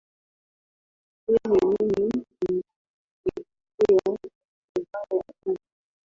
kwa kweli mimi nimelipokea kwa furaha kubwa